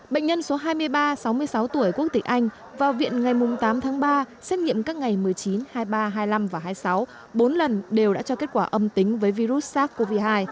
bệnh nhân số hai mươi ba sáu mươi sáu tuổi quốc tịch anh vào viện ngày tám tháng ba xét nghiệm các ngày một mươi chín hai mươi ba hai mươi năm và hai mươi sáu bốn lần đều đã cho kết quả âm tính với virus sars cov hai